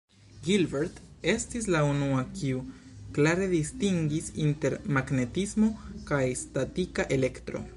Gilbert estis la unua kiu klare distingis inter magnetismo kaj statika elektro.